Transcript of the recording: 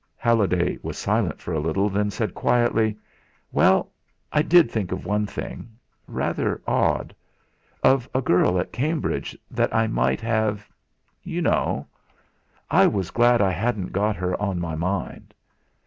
Halliday was silent for a little, then said quietly "Well, I did think of one thing rather odd of a girl at Cambridge that I might have you know; I was glad I hadn't got her on my mind.